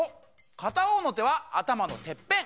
かたほうのてはあたまのてっぺん！